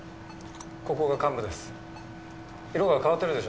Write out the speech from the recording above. ここが患部です。